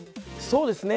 そうですね。